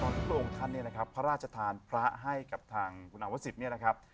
ตอนพิวเกี้ยวกับองค์ฑันนี้นะครับพระราชธาลพระให้กับทางอาวุษิฟินะครับ